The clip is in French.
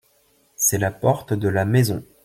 C’est la porte de la maison.